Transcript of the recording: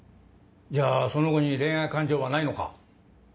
じゃあその子に恋愛感情はないのか？